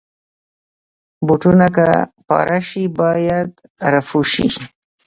بوټونه که پاره شي، باید رفو شي.